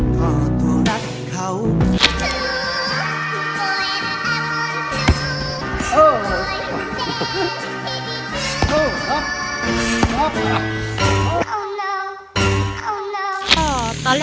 ขอตัวรักเขา